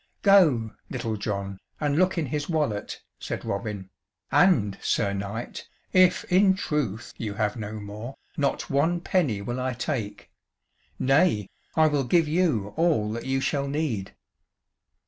"Go, Little John, and look in his wallet," said Robin, "and, Sir Knight, if in truth you have no more, not one penny will I take; nay, I will give you all that you shall need."